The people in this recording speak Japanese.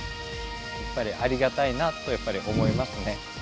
やっぱりありがたいなと思いますね。